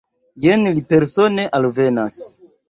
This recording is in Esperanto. Jen li persone alvenas.